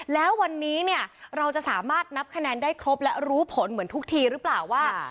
แล้ววันนี้เนี่ยเราจะสามารถนับคะแนนได้ครบและรู้ผลเหมือนทุกทีหรือเปล่าว่า